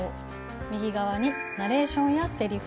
右側にナレーションやセリフ。